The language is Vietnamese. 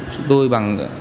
chúng tôi bằng